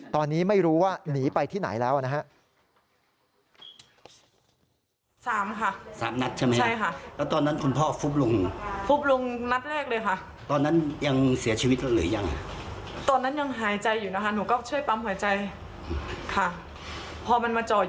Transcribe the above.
ตอนนี้ไม่รู้ว่าหนีไปที่ไหนแล้วนะฮะ